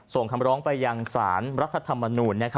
ส่งคำร้องไปยังสารรัฐธรรมนูล